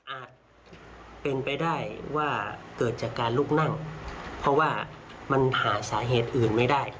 อาจเป็นไปได้ว่าเกิดจากการลุกนั่งเพราะว่ามันหาสาเหตุอื่นไม่ได้